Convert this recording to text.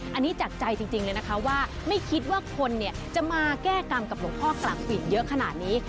อันนี้จากใจจริงเลยนะคะว่าไม่คิดว่าคนเนี่ยจะมาแก้กรรมกับหลวงพ่อกลางปีกเยอะขนาดนี้